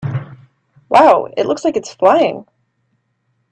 Wow! It looks like it is flying!